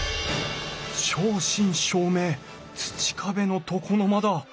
正真正銘土壁の床の間だ。